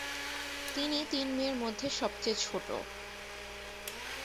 তিনি তিন মেয়ের মধ্যে সবচেয়ে ছোট।